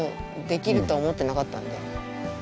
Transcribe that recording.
できるとは思ってなかったんで。